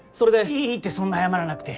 いいってそんな謝らなくて。